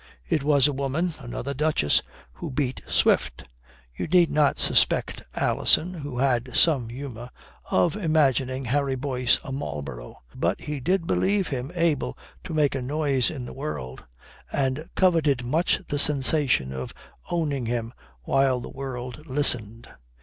It was a woman another duchess who beat Swift. You need not suspect Alison, who had some humour, of imagining Harry Boyce a Marlborough. But he did believe him able to make a noise in the world, and coveted much the sensation of owning him while the world listened.